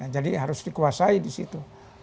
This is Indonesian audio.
jadi harus dikuasai di situ